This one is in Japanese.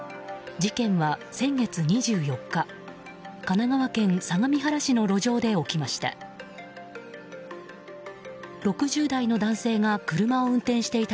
事件は先月２４日神奈川県相模原市の路上で起きました。